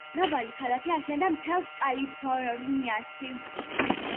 მრავალი ქალაქი აშენდა მთელს კალიფორნიაში.